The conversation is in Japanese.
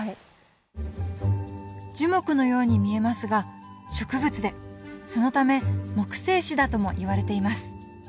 樹木のように見えますが植物でそのため木生シダともいわれています。